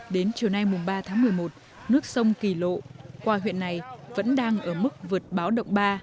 đến chiều nay mùng ba tháng một mươi một nước sông kỳ lộ qua huyện này vẫn đang ở mức vượt báo động ba